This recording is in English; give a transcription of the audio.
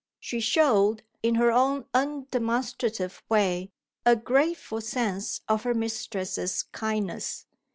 She showed, in her own undemonstrative way, a grateful sense of her mistress's kindness.